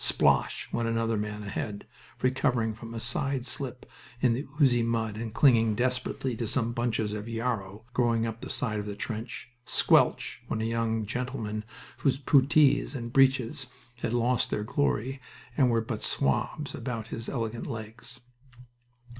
Splosh! went another man ahead, recovering from a side slip in the oozy mud and clinging desperately to some bunches of yarrow growing up the side of the trench. Squelch! went a young gentleman whose puttees and breeches had lost their glory and were but swabs about his elegant legs.